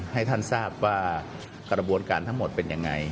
ให้ท่านทราบว่ากระบวนการทั้งหมดเป็นยังไง